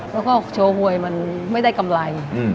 แล้วก็โชว์หวยมันไม่ได้กำไร